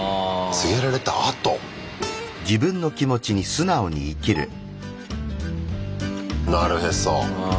告げられた後？なるへそ。